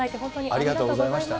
ありがとうございます。